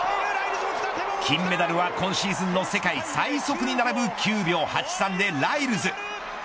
金メダルは今シーズンの世界最速に並ぶ９秒８３でライルズ。